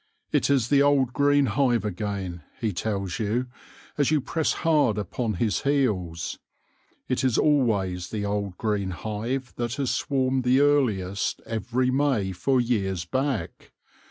It is the old green hive again, he tells 3'ou, as you press hard upon his heels — it is always the old green hive that has swarmed the earliest every May for years back.